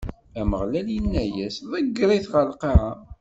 Ameɣlal inna-as: Ḍegger-it ɣer lqaɛa!